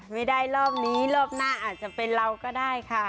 รอบนี้รอบหน้าอาจจะเป็นเราก็ได้ค่ะ